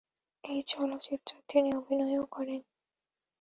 এ চলচ্চিত্রে তিনি অভিনয়ও করেন।